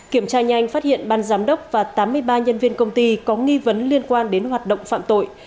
kiểm tra nhanh phát hiện ban giám đốc và tám mươi ba nhân viên công ty có nghi vấn liên quan đến hoạt động phạm tội